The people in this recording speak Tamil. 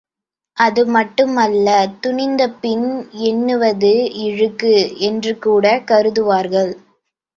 அதுமட்டுமல்ல துணிந்தபின் எண்ணுவது இழுக்கு என்றுகூடக் கருதுவார்கள்.